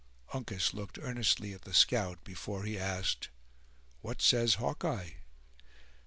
Uncas looked earnestly at the scout, before he asked: "What says Hawkeye?"